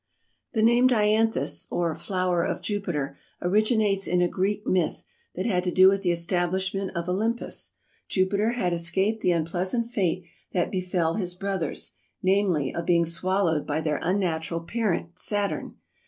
The name Dianthus, or flower of Jupiter, originates in a Greek myth, that had to do with the establishment of Olympus. Jupiter had escaped the unpleasant fate that befell his brothers, namely, of being swallowed by their unnatural parent, Saturn.